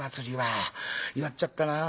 弱っちゃったなあ。